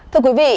thưa quý vị